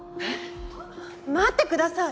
待ってください！